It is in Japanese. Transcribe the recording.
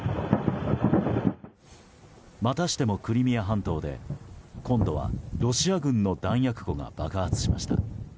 またしてもクリミア半島で今度はロシア軍の弾薬庫が爆発しました。